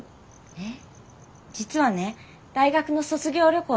えっ？